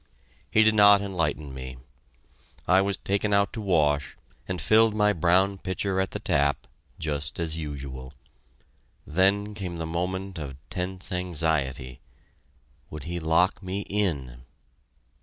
He did not enlighten me! I was taken out to wash, and filled my brown pitcher at the tap just as usual. Then came the moment of tense anxiety.... Would he lock me in?